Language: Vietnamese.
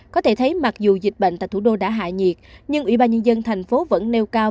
có thể thấy mặc dù dịch bệnh tại thủ đô đã hạ nhiệt nhưng ủy ban nhân dân thành phố vẫn nêu cao